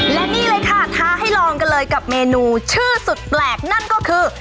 และนี่เลยค่ะท้าให้ลองกันเลยกับเมนูชื่อสุดแปลกนั่นก็คือ